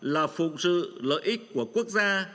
là phục sự lợi ích của quốc gia